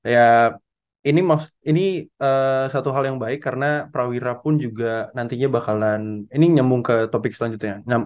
ya ini satu hal yang baik karena prawira pun juga nantinya bakalan ini nyambung ke topik selanjutnya